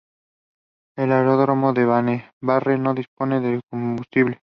El aeródromo de Benabarre no dispone de combustible.